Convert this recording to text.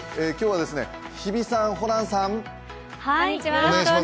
今日は日比さん、ホランさん。